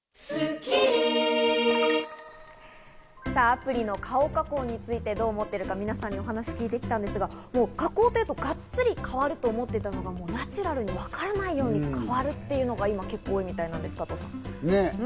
アプリの顔加工についてどう思っているか、皆さんに話を聞いてきたんですが、加工というとガッツリ変わると思っていたのがナチュラルにわからないように変わるというのが今、結構いいみたいです、加藤さん。